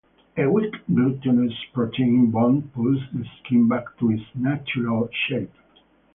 A weak glutenous protein bond pulls the skin back to its natural shape.